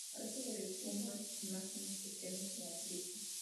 A esto se le suman imágenes de escenas de la película.